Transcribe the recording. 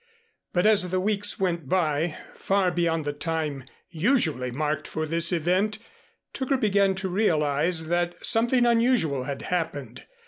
But as the weeks went by, far beyond the time usually marked for this event, Tooker began to realize that something unusual had happened.